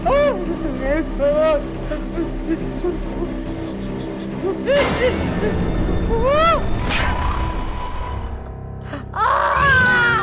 aduh aduh ayah